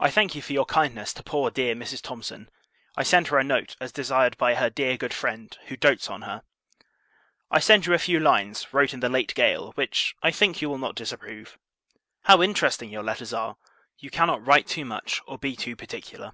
I thank you for your kindness to poor dear Mrs. Thomson. I send her a note; as desired by her dear good friend, who doats on her. I send you a few Lines, wrote in the late gale; which, I think, you will not disapprove. How interesting your letters are! You cannot write too much, or be too particular.